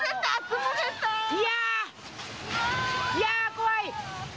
いやー、怖い。